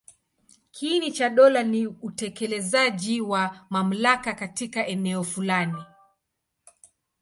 Kiini cha dola ni utekelezaji wa mamlaka katika eneo fulani.